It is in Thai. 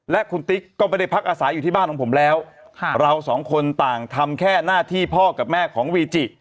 และคุณติ๊กก็ไม่ได้พักอาศัยอยู่ที่บ้านของผมแล้วเราสองคนต่างทำแค่หน้าที่พ่อกับแม่ของวีจิ